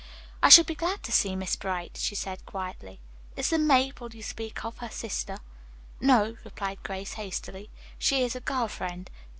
"I shall be glad to see Miss Bright," she said quietly. "Is the 'Mabel' you speak of her sister?" "No," replied Grace hastily, "she is a girl friend.